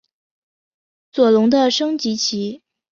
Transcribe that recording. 左龙的升级棋。